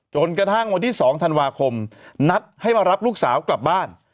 จนกระทั่งวันที่๒ธันวาคมนัดให้มารับลูกสาวกลับบ้าน